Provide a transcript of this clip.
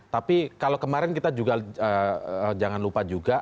tapi kalau kemarin kita juga jangan lupa juga